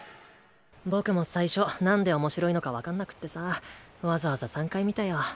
僕も最初なんで面白いのか分かんなくってさわざわざ３回見たよ。